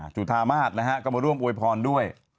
จุธามาศนะฮะก็มาร่วมอวยพรด้วย